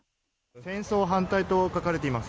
戦争反対と書かれています。